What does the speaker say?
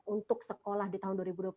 untuk sekolah di tahun dua ribu dua puluh satu